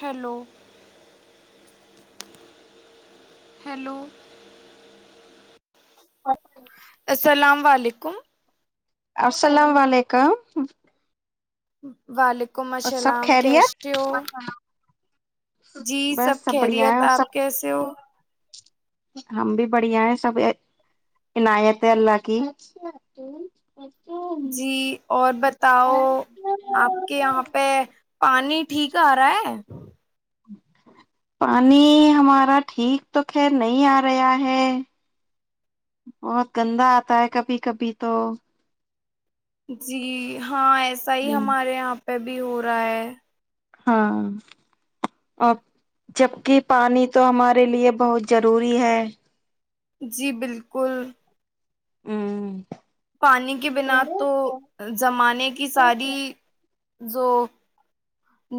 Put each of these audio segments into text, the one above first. hello hello اورچ [unintelligible] السلام علیکم السلام علیکم والالک حلکم اور سب السلام کیس خیریت ہو جی بس سب بڑھیا ہے خیریت اور آپ سب کیسے ہو ہم بھی بڑھیا ہیں سب عنایت ہے اللہ کی جی اور بتا بتاؤ آپ کے یہاں پہ پانی [unintelligible] ٹھیک آ رہا ہے پانی ہمارا ٹھیک تو خیر نہیں آ رہا ہے بہت گندا آتا ہے کبھی کبھی تو جی ہاں ایسا ہی ہمارے یہاں پہ بھی ہو رہا ہے ہاں ا جبک پانی تو ہمارے لیے بہت ضروری ہے جی بالکل ہوں پانی کی بنا تو زمانے کی ساری جو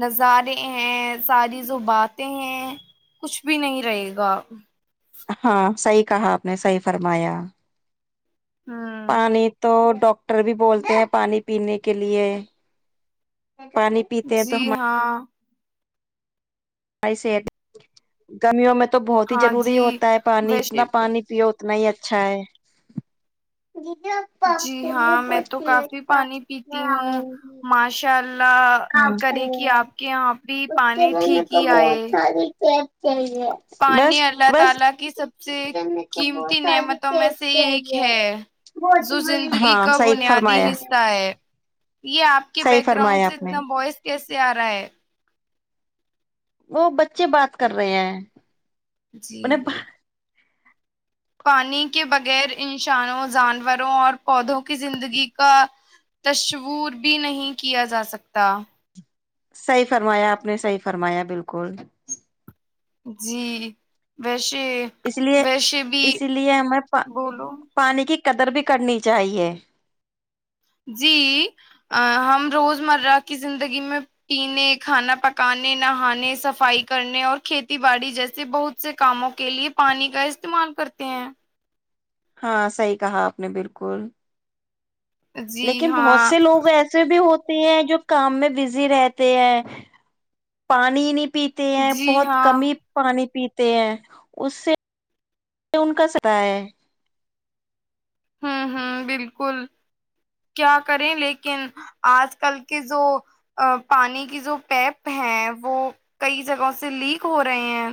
نظارے ہیں ساری جو باتیں ہیں کچھ بھی نہیں رہے گا ہاں صحیح کہا آپ نے صحیح فرمایا ہوں پانی تو ڈاکٹر بھی بولتے ہیں پانی پینے کے لیے پانی پیتے ہیں تو جی ہم ہاں ہم میوں میں تو بہت ہی ہاں ضروری جی ہوتا ہے پانی ویسے اتنا پانی پیو اتنا ہی اچھا ہے دیدی آپ جی پاپ کے لیے ہاں میں تو بولتی ہیں کافی کیا پانی پیتی ہوں بناؤں گی ماشاء اللہ لہ آپ کے کرے کہ لیے آپ کے یہاں بھی اس پانی ٹھیک ہی آئے جاہی [unintelligible] پانی اللہ تعالی کی سب سے میرے کو بہت قیمتی ساری نعمتوں میں سے ٹیپ ایک چاہیے ہے بہت جو بڑی زندگی ہاں کا صحیح بنیادی فرمایا حصہ ہے یہ آپ کے صحیح بیک فرمایا گراؤنڈ سے آپ نے اتنا بوائس کیس [unintelligible] سیارہ ہے [unintelligible] وہ بچے بات کر رہے ہیں جی انہیں پانی کے بغیر انسانوں جانوروں اور پودوں کی زندگی کا تصور بھی نہیں کیا جاسکتا صحی فرمایا آپ نے صحی فرمایا بالکل جی ویش اس لیے اسی لیے ہمیں پ بولو پانی کی قدر بھی کرنی چاہیے جی ہم روزمرہ کی زندگی میں پینے کھانا پکانے نہانے صفائی کرنے اور کھیتی باڑی جیسے بہت سے کاموں کے لیے پانی کا استعمال کرتے ہیں ہاں صحی کہا آپ نے بالکل جی لیکن بہت ہاں سے لوگ ایسے بھی ہوتے ہیں جو کام میں بزی رہتے ہیں پانی نہیں پیتے ہیں جی بہت ہاں کم ہی پانی پیتے تے ہیں اس [unintelligible] سے ان کا سرا ہوں ہوں بالکل کیا کریں لیکن آج کل کے جو پانی کی جو پیپ ہیں وہ کئی جگہوں سے لیک ہو رہے ہیں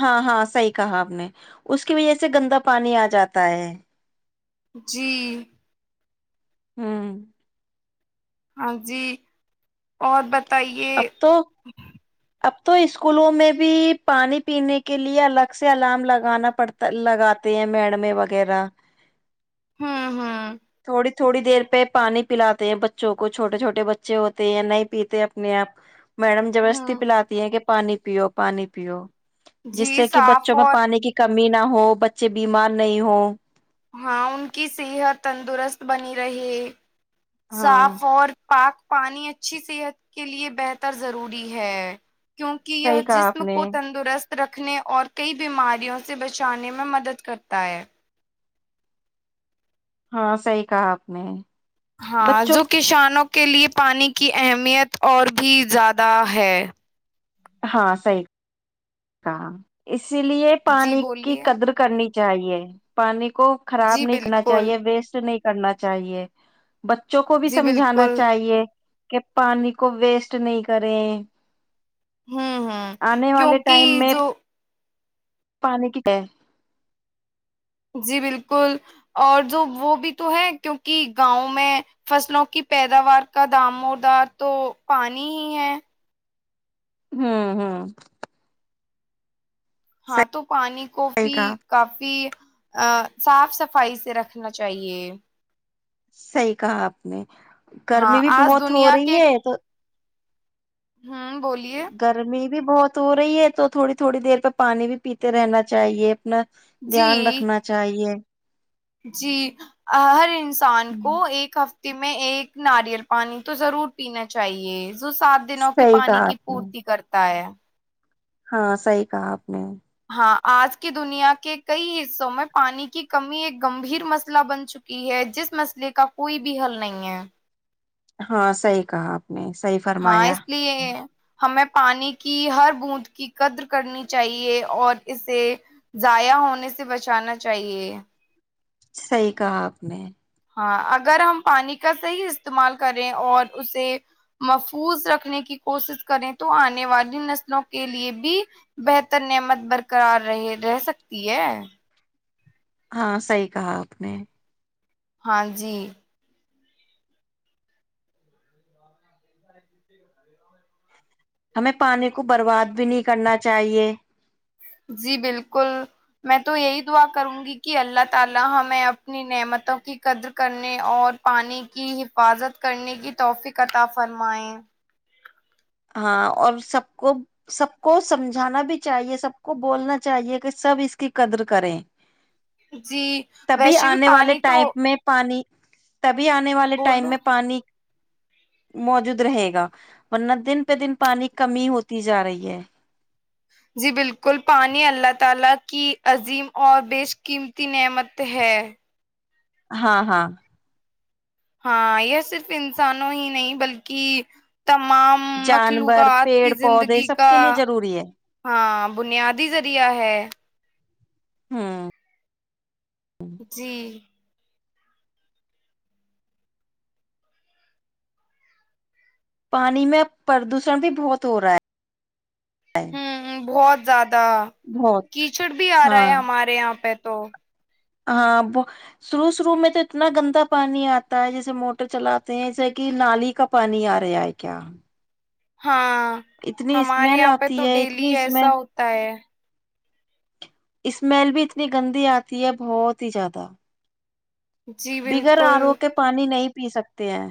ہاں ہاں صحیح کہا آپ نے اس کی وجہ سے گندا پانی آ جاتا ہے جی ہوں ہاں جی اور ب اب تو [unintelligible] اب تو اسکولوں میں بھی پانی پینے کے لیے الگ سے الارم لگانا پڑتا لگاتے ہیں میڈمیں وغیرہ [unintelligible] ہاں ہاں تھوڑی تھوڑی دیر پہ پانی پلاتے ہیں بچوں کو چھوٹے چھوٹے بچے ہوتے ہیں نہیں پیتے نیاپ [unintelligible] میڈم جبرستی ہوں پلاتی ہے کہ پانی پیو پانی پیو جس جی سے کہ صاف بچوں میں اور پانی کی کمی نہ ہو بچے بیمار نہیں ہو ہاں ان کی صحت تندرست بنی رہی ہاں صاف اور پاک پانی اچھی صحت کے لیے بہتر ضروری ہے کیونکہ یہ صحیح کہا آپ جسم نے کو تندرست رکھنے اور کئی بیماریوں سے بچانے میں مدد کرتا ہے ہاں صحی کہا آپ نے ہاں بچوں جو کسانوں کے لئے پانی کی اہمیت اور بھی زیادہ ہے ہاں صحی اسی لیے جی پانی کی بولیے قدر کرنی چاہے پانی کو خراب جی نہیں کرنا بالکل چاہیے ویسٹ نہیں کرنا چاہیے بچوں کو بھی جی سمجھانا بالکل چاہیے کہ پانی کو ویسٹ نہیں کریں ہوں ہوں آنے والے کیونکہ ٹائم میں جو پانی کی کیا ہے جی بالکل اور جو وہ بھی تو ہے کیونکہ گاؤں میں فصلوں کی پیداوار کا دام موردار تو پانی ہی ہے ہوں ہوں ہاں تو پانی کو صحیح بھیی کہا کافی ا صاف صفائی سے رکھنا چاہیے صحیح کہا آپ نے گرمی ہاں بھی آج بہت ہو دنیا رہی کے ہے تو ہوں بولیے گرمی بھی بہت ہو رہی ہے تو تھوڑی تھوڑی دیر پہ پانی بھی پیتے رہنا چاہیے اپنا دھیان جی رکھنا چاہیے جی ہر سان کو ایک ہفتے تمہ ایک ناریل پانی تو ضرور پینا چاہیے جو سات دنوں کے صحیح پانی کہا کی آپ نے پورتی کرتا ہے ہاں صحیح کہا آپ نے ہاں آج کی دنیا کے کئی حصوں میں پانی کی کمی ایک گمبھیر مسئلہ بن چکی ہے جس مسئلے کا کوئی بھی حل نہیں ہے ہاں صحیح کہا آپ نے صحیح ہاں فرمایا اس لیے ہمیں پانی کی ہر بوند کی قدر کرنی چاہیے اور اسے ضائع ہونے سے بچانا چاہیے صحیح کہا آپ نے ہاں اگر ہم پانی کا صحیح استعمال کریں اور اسے محفوظ رکھنے کی کوشش کریں تو آنے والی نسلوں کے لیے بھی بہتر نعمت برقرار رہ رہ سکتی ہے ہاں صحیح کہا آپ نے ہاں جی ہمیں پانی کو برباد بھی نہیں کرنا چاہیے [inaudible] ہاں اور سب کو سب کو سمجھانا بھی چاہیے سب کو بولنا چاہیے کہ سب اس کی قدر کریں جی تبھی ویسے بھی آنے والے پانی تو ٹائم میں پانی تبھی آنے والے ٹائم بولو میں پانی موجوود رہے گا پت دن پہ دن پانی کمی ہوتی جا رہی ہے جی بالکل پانی اللہ تعالی کی عظیم اور بیش قیمتی نعمت ہے ہاں ہاں ہاں یہ صرف انسانوں ہی نہیں بلکہ تمام جانور مخلوقات کی پیڑ پودے زندگی سب کا کے لیے ضروری ہے ہاں بنیادی ذریعہ ہے ہاں جی پانی میں پردوشن بھی بہت ہو رہا ہے ہوں بہت زیاد بہت کیچڑ بھی آ رہا ہاں ہے ہمارے یہاں پہ تو ہاں شروع شروع میں تو اتنا گندا پانی آتا ہے جیسے موٹر چلاتے ہیں جیسے کہ نالی کا پانی آ رہا ہے کیا ہاں اتنی ہمارے اسمیل یہاں پہ تو آتی ہے ڈیلی اتنی ایسا اسمیل ہوتا ہے اسمیل بھی اتنی گندی آتی ہے بہت ہی زیادہ جی بگر آرو بالکل کے پانی نہیں پی سکتے ہیں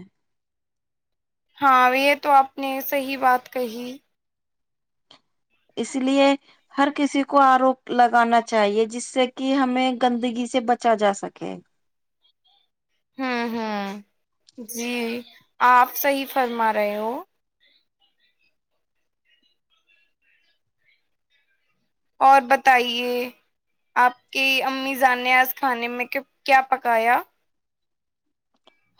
ہاں یہ تو آپ نے صحیح بات کہی اس لیے ہر کسی کو آروپ لگانا چاہیے جس سے کہ ہمیں گندگی سے بچا جا سکے ہوں ہوں جی آپ صحیح فرما رہے ہو اور بتائیے آپ کی امیزان نے آج کھانے میں کیا پکایا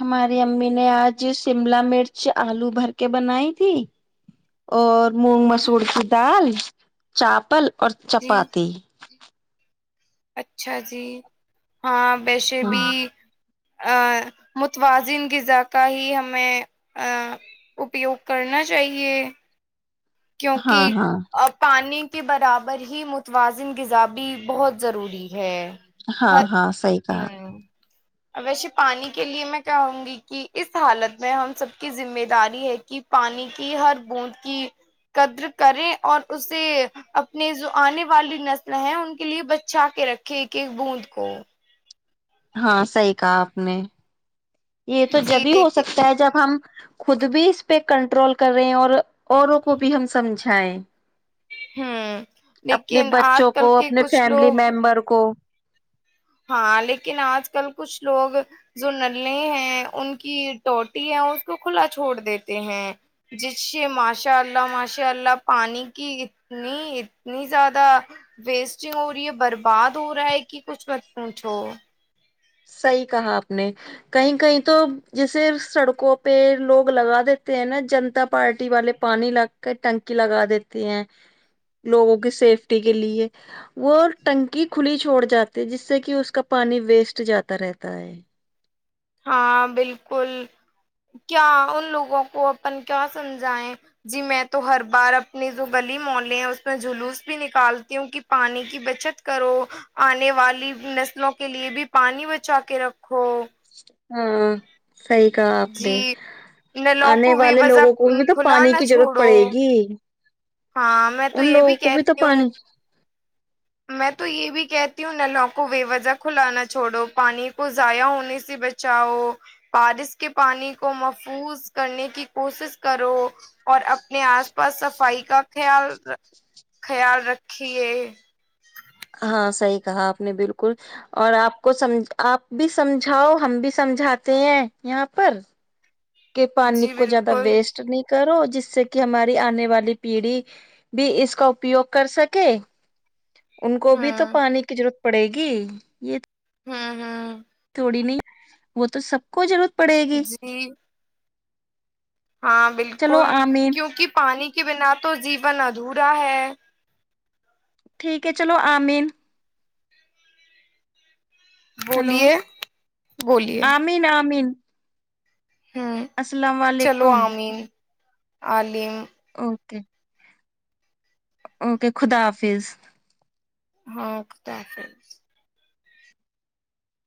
ہماری امی نے آج شملہ مرچ آلو بھر کے بنائی تھی اور مونگ مسور کی دال چاپل اور جی چپاتاتی اچھا جی ہاں ویسے ہ بھی متوازن غذا کا ہی ہمیں اپیوگ کرنا چاہیے کیونکہ ہاں ہاں ا پانی کے برابر ہی متوازن غذا بھی بہت ضروری ہے ہاں ہر ہاں صحی کہا ہوں ویسے پانی کے لیے میں کہوں گی کہ اس حالت میں ہم سب کی ذمہ داری ہے کہ پانی کی ہر بوند کی قدر کریں اور اسے اپنے جو آنے والی نسل ہے ان کے لیے بچا کے رکھے ایک ایک بوند کو ہاں صحی کہا آپ نے یہ تو جی جبھی ہو لیکن سکتا ہے جب ہم خود بھی اس پہ کنٹرول کرے اور اوروں کو بھی ہم سمجھیں ہوں اپنے لیکن آج بچوں کل کو کے اپنے کچھ فیملی لوگ ممبر کو ہاں لیکن آج کل کچھ لوگ جو نلے ہیں ان کی ٹوٹی ہے اس کو کھلا چھوڑ دیتے ہیں جس سے ماشاء اللہ ماشاء اللہ پانی کی اتنی اتنی زیادہ ویسٹنگ ہو رہی ہے برباد ہو رہا ہے کہ کچھ پونچھو صحی کہا آپ نے کہیں کہیں تو جیسے سڑکوں پہ لوگ لگا دیتے ہیں نا جنتا پارٹی والے پانی لگ کے ٹنکی لگا دیتے ہیں لوگوں کی سیفٹی کے لیے وہ ٹنکی کھلی چھوڑ جاتی جس سے کہ اس کا پانی ویسٹ جاتا طرحت ہے ہاں بالکل کیا ان لوگوں کو اپن کیا سمجھائیں جی میں تو ہر بار اپنی جو گلی مولے ہیں اس میں جلوس بھی نکالتی ہوں کہ پانی کی بچت کرو آنے والی نسلوں کے لیے بھی پانی بچا کے رکھو ہاں صحی کہا آپ نے جی نلوں آنے کو بے والے وجہ لوگوں کو بھی تو کھلا پانی نہ کی ضرورت چھوڑو پڑے گی ہاں میں تو ان یہ بھی لوگوں کو تو کہتی ہوں پانی میں تو یہ بھی کہتی ہوں نلوں کو بے وجہ کھلانا چھوڑو پانی کو ضائع ہونے سے بچاؤ بارش کے پانی کو محفوظ کرنے کی کوشش کرو اور اپنے آس پاس صفائی کا خیال خیال رکھیے [inaudible] ہاں صحیح کہا آپ نے بالکل اور آپ بھی سمجھاؤ ہم بھی سمجھاتے ہیں یہاں پر کہ پانی جی کو جیادہ بالکل ویسٹ نہیں کرو جس سے کہ ہماری آنے والی پیڑھی بھی اس کا اپیوگ کر سکے ان کو بھی تو ہوں پانی کی ضرورت پڑے گی یہ ھمم ھمم تھوڑی نہیں وہ تو سب کو ضرور جی ہاں چلو بالکل آمین کیونکہ پانی پانی کے بنا تو جیون ادھورا ہے ٹھیک ہے چلو آمین ہیلو بولیے بولیے آمین آمین ہوں السلام چلو علیکم آمین عالم اوکے اوکے خدا حافظ ہاں خدا حافظ